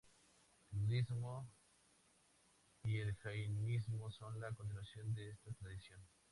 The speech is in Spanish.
El Budismo y el Jainismo son la continuación de esta tradición.